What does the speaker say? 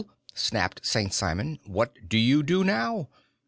_" snapped St. Simon. "What do you do now?